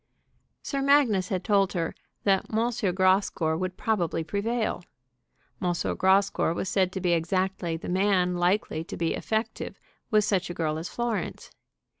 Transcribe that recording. Sir Magnus had told her that M. Grascour would probably prevail. M. Grascour was said to be exactly the man likely to be effective with such a girl as Florence.